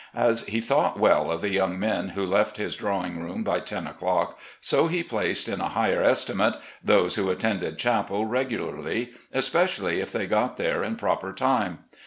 As he thought well of the young men who left his drawing room by ten o'clock, so he placed in a higher estimate those who attended chapel regularly, especially if they got there in proper time.